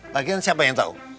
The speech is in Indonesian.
lagi kan siapa yang tahu